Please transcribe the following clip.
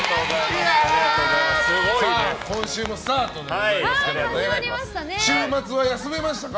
今週もスタートでございますけど週末は休めましたか？